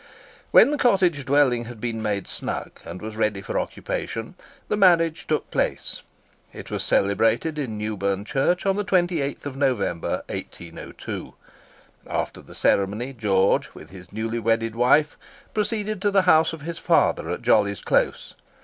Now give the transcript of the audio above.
When the cottage dwelling had been made snug, and was ready for occupation, the marriage took place. It was celebrated in Newburn Church, on the 28th of November, 1802. After the ceremony, George, with his newly wedded wife, proceeded to the house of his father at Jolly's Close.